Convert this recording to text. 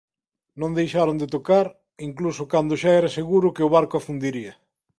Non deixaron de tocar incluso cando xa era seguro que o barco afundiría.